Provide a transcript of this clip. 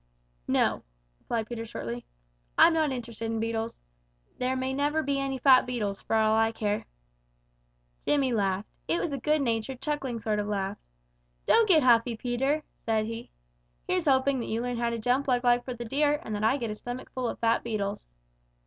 "No," replied Peter shortly. "I'm not interested in beetles. There may never be any fat beetles, for all I care." Jimmy laughed. It was a good natured, chuckling kind of a laugh. "Don't get huffy, Peter," said he. "Here's hoping that you learn how to jump like Lightfoot the Deer, and that I get a stomachful of fat beetles."